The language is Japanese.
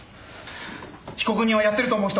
被告人はやってると思う人？